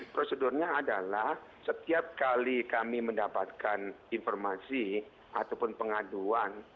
prosedurnya adalah setiap kali kami mendapatkan informasi ataupun pengaduan